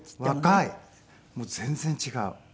もう全然違う。